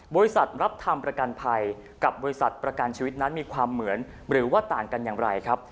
บริษัทรับทำประกันภัยกับบริษัทประกันชีวิตนั้นมีความเหมือนหรือว่าต่างกันอย่างไรครับ